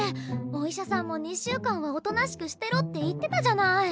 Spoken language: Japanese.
お医者さんも２週間はおとなしくしてろって言ってたじゃない。